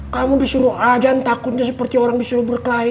kamu disuruh aja takutnya seperti orang disuruh berkelahi